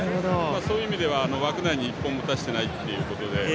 そういう意味では枠内に１本も打たせてないということで。